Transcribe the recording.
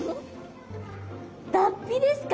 脱皮ですか。